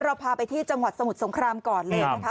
พาไปที่จังหวัดสมุทรสงครามก่อนเลยนะคะ